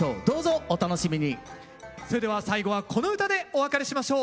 それでは最後はこの唄でお別れしましょう。